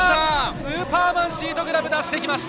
スーパーマンシートグラブを出してきました。